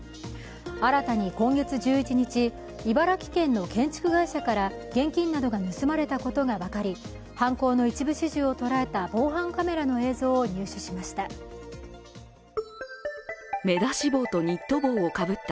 新たに今月１１日、茨城県の建築会社から現金などが盗まれたことが分かり犯行の一部始終をとらえた防犯カメラの映像を入手しました。